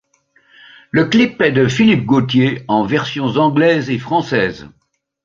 Le clip est de Philippe Gautier en versions anglaise et française.